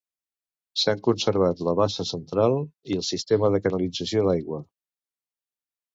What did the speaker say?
S'han conservat la bassa central i el sistema de canalització d'aigua.